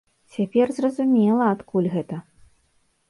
Цяпер зразумела, адкуль гэта!